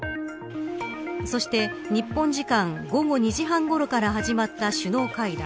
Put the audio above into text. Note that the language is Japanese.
そして日本時間午後２時半ごろから始まった首脳会談。